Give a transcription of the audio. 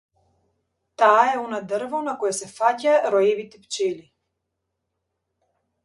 Таа е она дрво на кое се фаќаа роевите пчели.